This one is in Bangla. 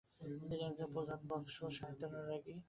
তিনি একজন প্রজাবৎসল ও সাহিত্যানুরাগি জমিদার হিসাবে পরিচিত।